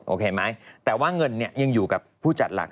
โอเคไหมแต่ว่าเงินเนี่ยยังอยู่กับผู้จัดหลัก